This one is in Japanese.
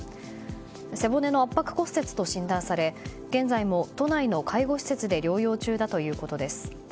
背骨の圧迫骨折と診断され現在も都内の介護施設で療養中だということです。